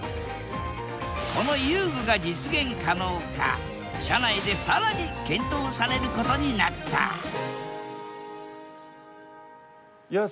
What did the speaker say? この遊具が実現可能か社内で更に検討されることになったいや